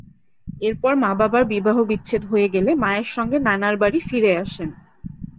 এরপর মা-বাবার বিবাহ বিচ্ছেদ হয়ে গেলে মায়ের সঙ্গে নানার বাড়ি ফিরে আসেন।